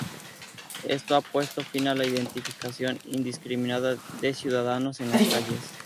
Esto ha puesto fin a la identificación indiscriminada de ciudadanos en las calles.